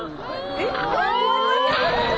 えっ？